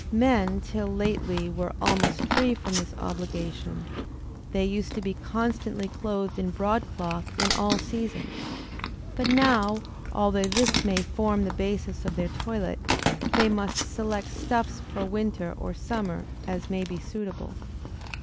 Men till lately were almost free from this obligation; they used to be constantly clothed in broadcloth in all seasons: but now, although this may form the basis of their toilet, they must select stuffs for winter or summer, as may be suitable.